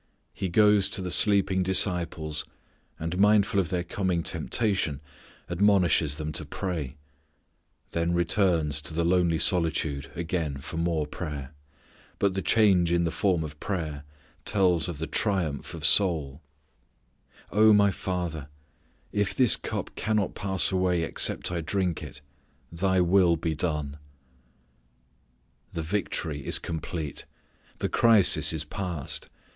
He goes to the sleeping disciples, and mindful of their coming temptation, admonishes them to pray; then returns to the lonely solitude again for more prayer, but the change in the form of prayer tells of the triumph of soul, "O My Father, if this cup cannot pass away except I drink it, Thy will be done." The victory is complete. The crisis is past.